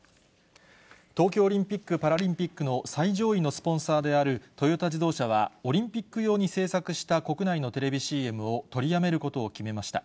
東京オリンピック・パラリンピックの最上位のスポンサーであるトヨタ自動車は、オリンピック用に制作した国内のテレビＣＭを取りやめることを決めました。